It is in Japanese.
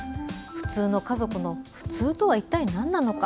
普通の家族の普通とは一体なんなのか。